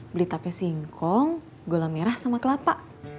beli tape singkong gula merah sama kelapa